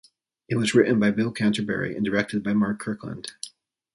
It was written by Bill Canterbury and directed by Mark Kirkland.